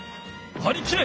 はりきれ！